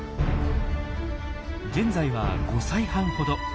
現在は５歳半ほど。